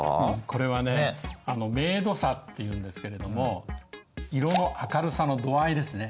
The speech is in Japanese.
これはね明度差っていうんですけれども色の明るさの度合いですね。